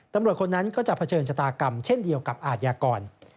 คนนั้นก็จะเผชิญชะตากรรมเช่นเดียวกับอาทยากร